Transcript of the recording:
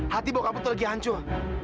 hati bokap lu tuh lagi hancur